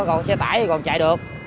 còn xe tải thì còn chạy được